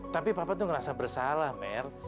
tapi papa itu ngerasa bersalah mer